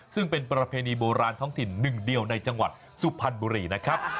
ซึ่งเป็นประเพณีโบราณท้องถิ่นหนึ่งเดียวในจังหวัดสุพรรณบุรีนะครับ